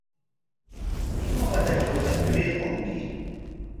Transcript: ¿Ima watatrawtaq yurirqanki?